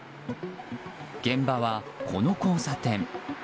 現場はこの交差点。